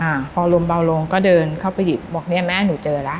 อ่าพออารมณ์เบาลงก็เดินเข้าไปหยิบบอกเนี้ยแม่หนูเจอแล้ว